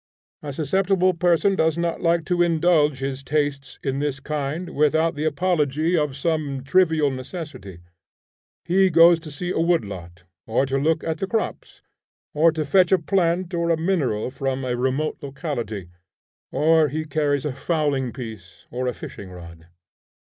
A susceptible person does not like to indulge his tastes in this kind without the apology of some trivial necessity: he goes to see a wood lot, or to look at the crops, or to fetch a plant or a mineral from a remote locality, or he carries a fowling piece or a fishing rod.